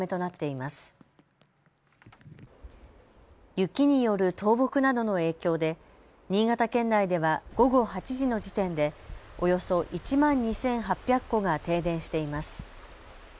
雪による倒木などの影響で新潟県内では午後８時の時点でおよそ１万２８００戸が停電しています。